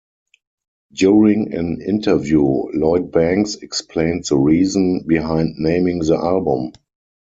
During an interview Lloyd Banks explained the reason behind naming the album.